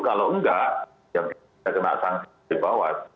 kalau nggak ya kita kena sanksi dibawah